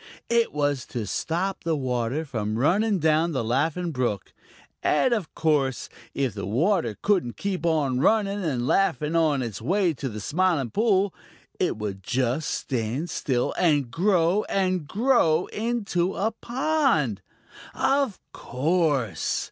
It was to stop the water from running down the Laughing Brook. And of course, if the water couldn't keep on running and laughing on its way to the Smiling Pool, it would just stand still and grow and grow into a pond. Of course!